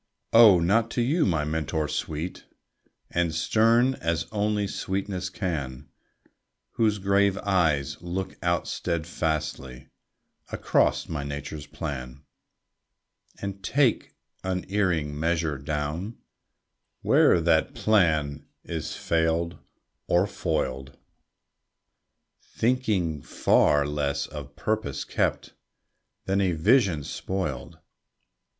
Oh, not to you, my mentor sweet, And stern as only sweetness can, Whose grave eyes look out steadfastly Across my nature's plan, And take unerring measure down Where'er that plan is failed or foiled, Thinking far less of purpose kept Than of a vision spoiled.